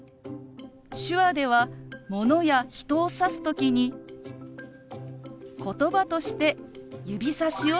手話ではものや人を指す時にことばとして指さしを使います。